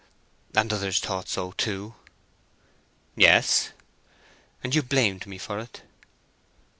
"And others thought so, too?" "Yes." "And you blamed me for it?"